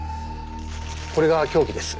これが凶器です。